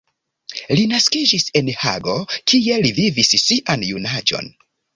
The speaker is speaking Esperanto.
Li naskiĝis en Hago, kie li vivis sian junaĝon.